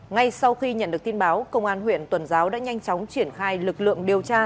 ngay sau khi nhận được tin báo công an huyện tuần giáo đã nhanh chóng triển khai lực lượng điều tra